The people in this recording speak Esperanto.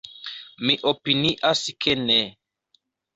Mi opinias ke ne.